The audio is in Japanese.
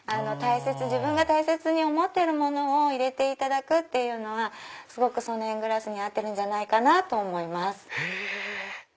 自分が大切に思ってるものを入れていただくっていうのはすごくソネングラスに合ってるんじゃないかと思います。